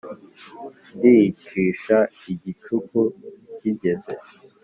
ndyicisha igicuku kigeze